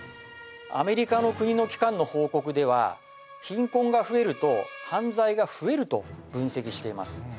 アメリカの国の機関の報告では貧困が増えると犯罪が増えると分析しています